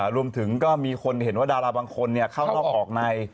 รวมถึงก็มีคนเห็นว่าดาราบางคนเข้านอกออกใน